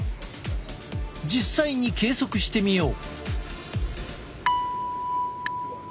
実際に計測してみよう。